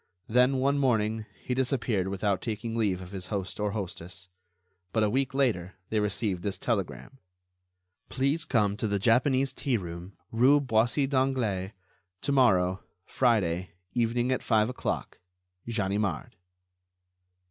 Then, one morning, he disappeared without taking leave of his host or hostess. But a week later, they received this telegram: "Please come to the Japanese Tea room, rue Boissy d'Anglas, to morrow, Friday, evening at five o'clock. Ganimard."